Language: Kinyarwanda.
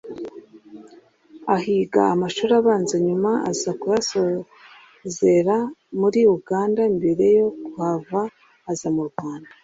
ahiga amashuri abanza nyuma aza kuyasozera muri Uganda mbere yo kuhava aza mu Rwanda